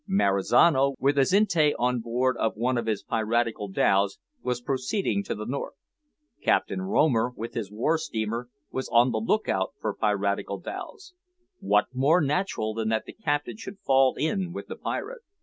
Marizano, with Azinte on board of one of his piratical dhows, was proceeding to the north. Captain Romer, with his war steamer, was on the look out for piratical dhows. What more natural than that the Captain should fall in with the pirate?